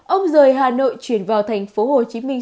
ông rời hà nội chuyển vào thành phố hồ chí minh